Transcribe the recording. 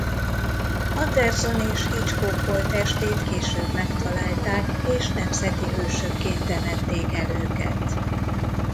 Anderson és Hitchcock holttestét később megtalálták és nemzeti hősökként temették el őket.